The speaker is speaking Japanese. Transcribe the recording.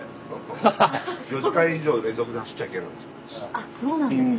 あっそうなんですね。